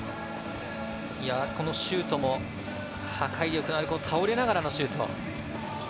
このシュートも破壊力のある倒れながらのシュート。